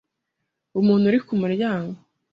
Umuntu uri kumuryango.